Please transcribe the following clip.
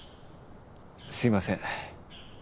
すいません。